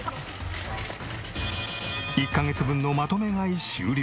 １カ月分のまとめ買い終了。